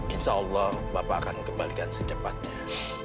insya allah bapak akan kembalikan secepatnya